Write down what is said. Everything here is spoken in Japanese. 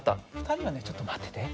２人はねちょっと待ってて。